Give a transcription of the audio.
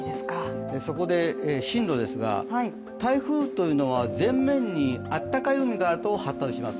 そこで、進路ですが台風というのは前面にあったかい海があると発達します。